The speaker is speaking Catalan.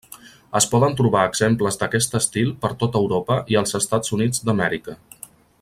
Es poden trobar exemples d'aquest estil per tota Europa i els Estats Units d'Amèrica.